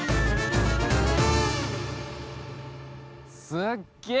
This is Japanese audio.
すっげえ！